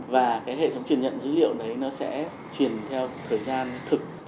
và hệ thống truyền nhận dữ liệu sẽ truyền theo thời gian thực